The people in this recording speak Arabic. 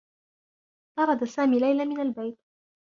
طرد سامي ليلى من البيت.